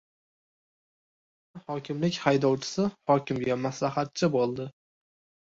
Ohangaronda hokimlik haydovchisi hokimga maslahatchi bo‘ldi